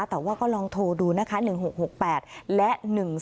แต่ว่าก็ลองโทรดูนะคะ๑๖๖๘และ๑๒